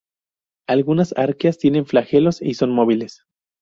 Algunas arqueas tienen flagelos y son móviles.